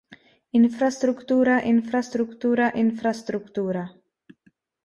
Infrastruktura, infrastruktura, infrastruktura.